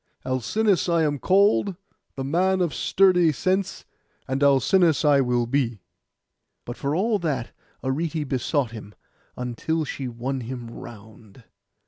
Alcinous I am called, the man of sturdy sense; and Alcinous I will be.' But for all that Arete besought him, until she won him round.